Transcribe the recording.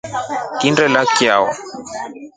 Nginielya chao.